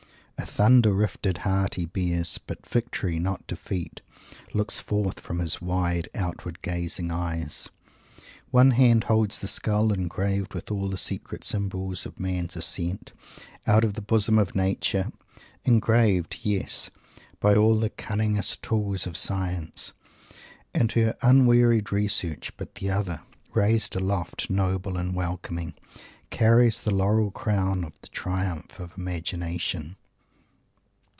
A thunder rifted heart he bears, but victory, not defeat, looks forth from his wide, outward gazing eyes! One hand holds the skull, engraved with all the secret symbols of man's ascent out of the bosom of Nature; engraved, yes! by all the cunningest tools of Science and her unwearied research; but the other, raised aloft, noble and welcoming, carries the laurel crown of the triumph of Imagination!